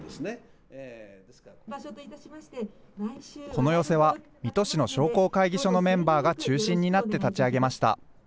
この寄席は水戸市の商工会議所のメンバーが中心になって立ち上げました。